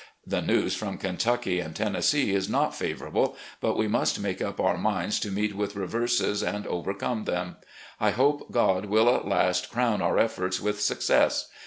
... The news from Kentucky and Tennessee is not favourable, but we must make up our minds to meet with reverses and overcome them. I hope God will at last crown our efforts with success.